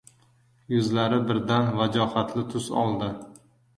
Yuzlari birdan vajohatli tus oldi.